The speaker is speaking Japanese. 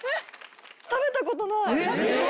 食べたことない。